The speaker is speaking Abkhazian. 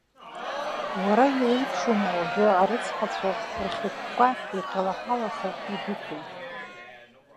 Уара иуеиԥшума уажәы, арыцҳа-цәа рхьыкәкәа, иҟьалаԥалаха идәықәу?!